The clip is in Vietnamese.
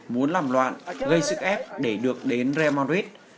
muốn làm loạn gây sức ép để được đến real madrid